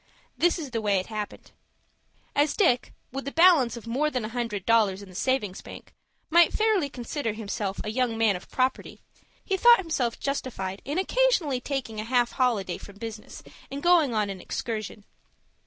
This is the way it happened. As Dick, with a balance of more than a hundred dollars in the savings bank, might fairly consider himself a young man of property, he thought himself justified in occasionally taking a half holiday from business, and going on an excursion.